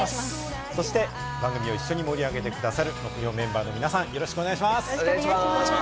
そして番組を一緒に盛り上げてくださる木曜メンバーの皆さん、よろしくお願いします。